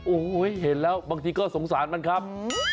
โอ้โหเห็นแล้วบางทีก็สงสารมันครับ